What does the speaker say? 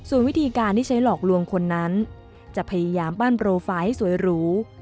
ส่วนวิธีการที่ใช้หลอกลวงคนนั้นจะพยายามปั้นโปรไฟล์ให้สวยหรู